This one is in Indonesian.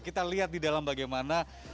kita lihat di dalam bagaimana